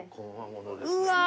うわ。